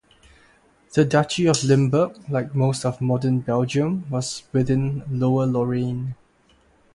The Duchy of Limburg, like most of modern Belgium, was within Lower Lorraine.